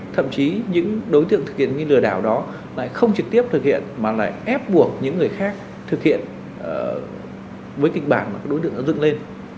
thậm chí những đối tượng thực hiện nghi lừa đảo đó lại không trực tiếp thực hiện mà lại ép buộc những người khác thực hiện với kịch bản mà các đối tượng đã dựng lên